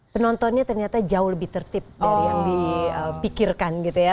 penontonnya ternyata jauh lebih tertib dari yang dipikirkan gitu ya